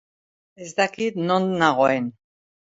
Ez dakit non nagoen.